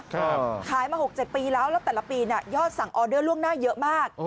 ขายมา๖๗ปีแล้วแล้วแต่ละปีน่ะยอดสั่งออเดอร์ล่วงหน้าเยอะมาก